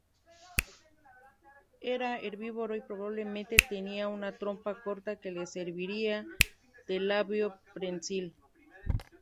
Era herbívoro y probablemente tenía una trompa corta que le serviría de labio prensil.